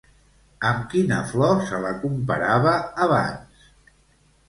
Amb quina flor se la comparava abans?